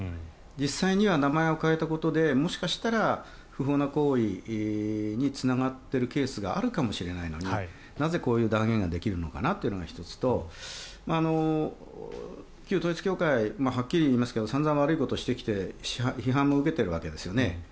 実際には名前を変えたことでもしかしたら不法な行為につながっているケースがあるかもしれないのになぜこういう断言ができるのかなというのが１つと旧統一教会はっきり言いますけど散々悪いことをしてきて批判も受けているわけですよね。